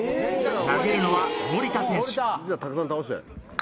投げるのは森田選手。